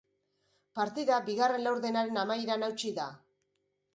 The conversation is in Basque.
Partida bigarren laurdenaren amaieran hautsi da.